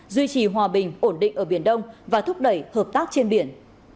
duy trì hòa bình ổn định ở biển đông và thúc đẩy hợp tác trên biển